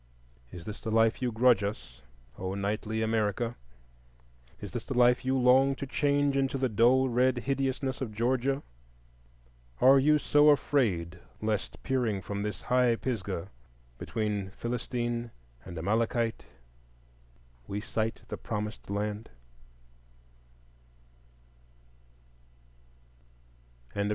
Is this the life you grudge us, O knightly America? Is this the life you long to change into the dull red hideousness of Georgia? Are you so afraid lest peering from this high Pisgah, between Philistine and Amalekite, we sight the Promised Land?